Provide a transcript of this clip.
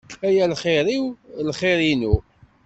A lxir-iw lxir-inu.